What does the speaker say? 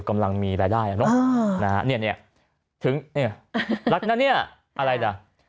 กำลังมีรายได้อ่ะเนอะนะฮะเนี่ยถึงเนี่ยรักนะเนี่ยอะไรล่ะ